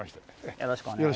よろしくお願いします。